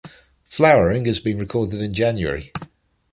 Flowering has been recorded in January.